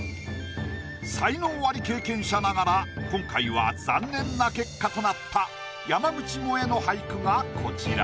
才能アリ経験者ながら今回は残念な結果となった山口もえの俳句がこちら。